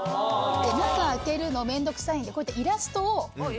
中開けるの面倒くさいんでこうやってイラストを。